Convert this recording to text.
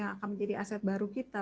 yang akan menjadi aset baru kita